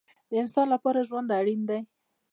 د انسان لپاره ژوند اړین دی